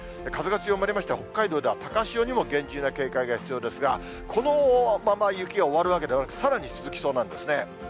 風が強まりまして、北海道では、高潮にも厳重な警戒が必要ですが、このまま雪が終わるわけではなくて、さらに続きそうなんですね。